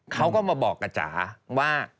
เขาก็มาบอกกับจ๋าว่า